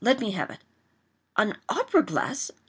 Let me have it." "An opera glass!